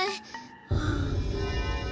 はあ。